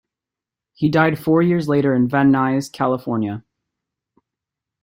He died four years later in Van Nuys, California.